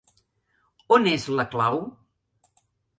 On és la clau?